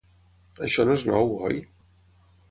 Això no és nou, oi?